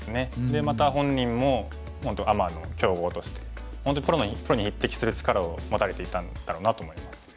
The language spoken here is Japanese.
でまた本人もアマの強豪として本当にプロに匹敵する力を持たれていたんだろうなと思います。